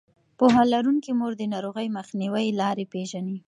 پوهه لرونکې مور د ناروغۍ مخنیوي لارې پېژني.